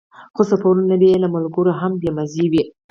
خو سفرونه بې له ملګرو هم بې مزې وي.